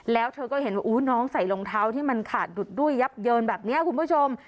แล้วเธอก็เห็นว่าน้องใส่รองเท้าที่มันขาดดุดด้วยยับเยินแบบนี้คุณผู้ชม